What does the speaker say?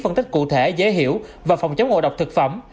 phân tích cụ thể dễ hiểu và phòng chống ngộ độc thực phẩm